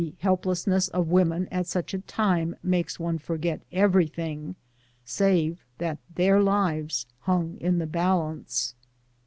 231 helplessness of women at sucli a time makes one forget everything, save that their lives hang in the balance.